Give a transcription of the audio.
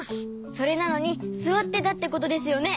それなのにすわってたってことですよね？